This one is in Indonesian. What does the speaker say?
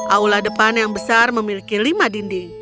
aula depan yang besar memiliki lima dinding